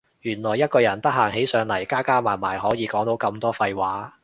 原來一個人得閒起上嚟加加埋埋可以講到咁多廢話